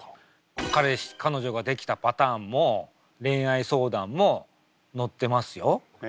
彼氏彼女ができたパターンも恋愛相談も乗ってますよ。